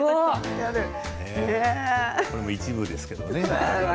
これも一部ですけどね。